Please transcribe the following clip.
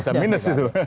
padahal bisa minus gitu